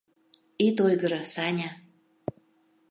— Ит ойгыро, Саня.